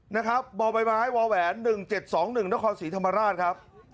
นะครับบ่อใบไม้วแหวน๑๗๒๑นครศรีธรรมราชครับ